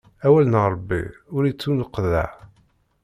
Awal n Ṛebbi ur ittuneqḍaɛ.